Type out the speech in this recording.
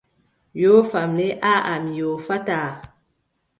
Yoofam le aaʼa mi yoofataaa.